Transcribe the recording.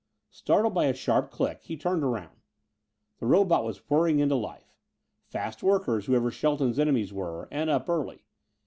Startled by a sharp click, he turned around. The robot was whirring into life. Fast workers, whoever Shelton's enemies were, and up early!